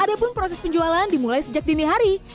ada pun proses penjualan dimulai sejak dini hari